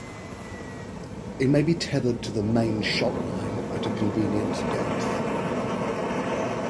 It may be tethered to the main shot line at a convenient depth.